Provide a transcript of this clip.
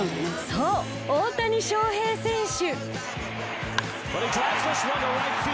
そう大谷翔平選手